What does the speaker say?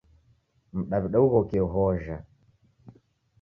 Mdaw'ida ughokie hojha.